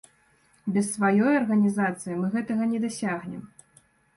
Без сваёй арганізацыі мы гэтага не дасягнем.